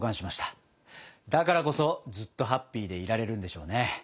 だからこそずっとハッピーでいられるんでしょうね。